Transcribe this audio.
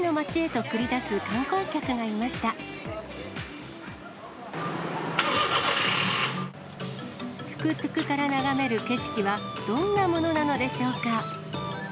トゥクトゥクから眺める景色はどんなものなのでしょうか。